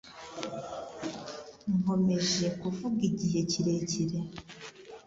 Nkomeje kuvuga igihe kirekire